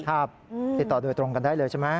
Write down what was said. ติดต่อโดยตรงกันได้เลยใช่ไหม